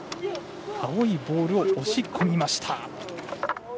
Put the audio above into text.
青いボールを押し込みました。